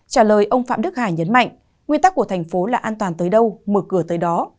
trả lời ông phạm đức hải nhấn mạnh nguyên tắc của thành phố là an toàn tới đâu mở cửa tới đó